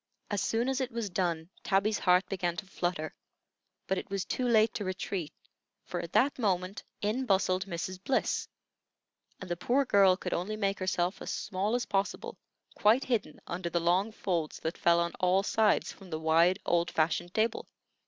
As soon as it was done Tabby's heart began to flutter; but it was too late to retreat, for at that moment in bustled Mrs. Bliss, and the poor girl could only make herself as small as possible, quite hidden under the long folds that fell on all sides from the wide, old fashioned table.